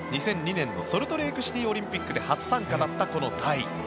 ２００２年のソルトレークシティーオリンピックで初参加だったタイ。